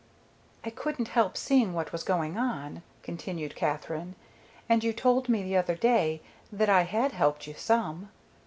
"I couldn't help seeing what was going on," continued Katherine. "And you told me the other day that I had helped you some."